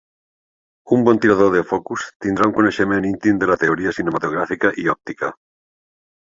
Un bon tirador de focus tindrà un coneixement íntim de la teoria cinematogràfica i òptica.